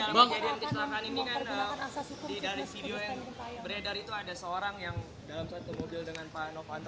dalam kejadian kecelakaan ini kan dari video yang beredar itu ada seorang yang dalam satu mobil dengan pak novanto